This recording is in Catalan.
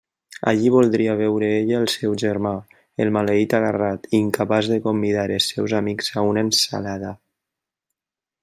Allí voldria veure ella el seu germà, el maleït agarrat, incapaç de convidar els seus amics a una ensalada.